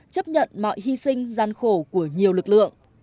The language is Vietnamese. chấp nhận mọi hy sinh gian khổ của nhiều lực lượng